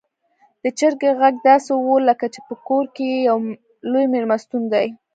د چرګې غږ داسې و لکه چې په کور کې يو لوی میلمستون دی.